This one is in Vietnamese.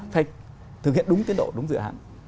phải thực hiện đúng tiến độ đúng dự án